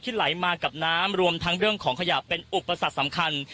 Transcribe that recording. ไหลมากับน้ำรวมทั้งเรื่องของขยะเป็นอุปสรรคสำคัญ